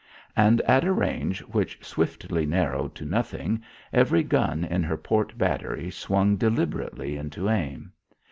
And at a range which swiftly narrowed to nothing every gun in her port battery swung deliberately into aim.